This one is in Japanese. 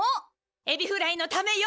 エビフライのためよ！